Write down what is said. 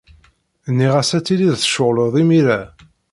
Nniɣ-as ad tilid tceɣled imir-a.